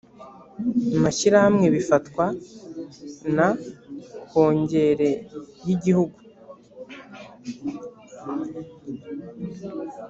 mashyirahamwe bifatwa na kongere y igihugu